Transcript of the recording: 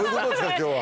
今日は。